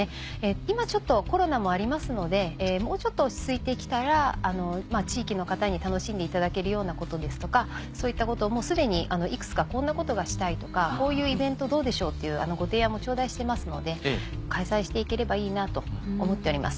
今ちょっとコロナもありますのでもうちょっと落ち着いて来たら地域の方に楽しんでいただけるようなことですとかそういったことを既にいくつか「こんなことがしたい」とか「こういうイベントどうでしょう？」というご提案も頂戴してますので開催して行ければいいなと思っております。